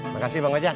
makasih bang wajah